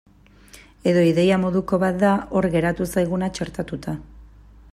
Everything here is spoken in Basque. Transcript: Edo ideia moduko bat da hor geratu zaiguna txertatuta.